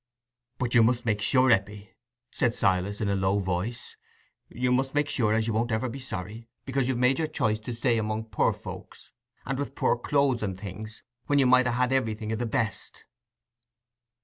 "But you must make sure, Eppie," said Silas, in a low voice—"you must make sure as you won't ever be sorry, because you've made your choice to stay among poor folks, and with poor clothes and things, when you might ha' had everything o' the best."